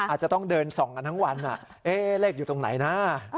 อาจจะต้องเดินส่องกันทั้งวันเลขอยู่ตรงไหนนะ